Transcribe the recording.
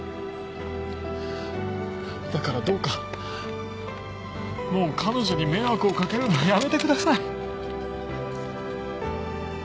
だからどうかもう彼女に迷惑を掛けるのはやめてください。